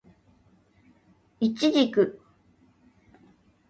イチジク